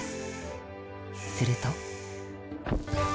すると。